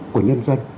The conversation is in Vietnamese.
của nhân dân